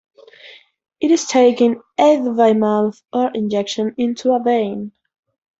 It is taken either by mouth or injection into a vein.